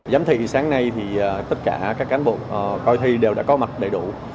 giám thị sáng nay thì tất cả các cán bộ coi thi đều đã có mặt đầy đủ